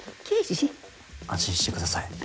安心してください。